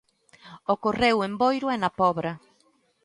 Ocorreu en Boiro e na Pobra.